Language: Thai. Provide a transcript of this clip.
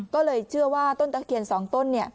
ก็เลยเชื่อว่าต้นตะเคียน๒ต้น